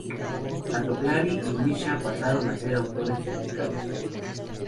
Tanto Claire y Mischa pasaron a ser autores publicados.